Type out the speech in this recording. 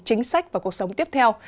chính sách và cuộc sống tiếp theo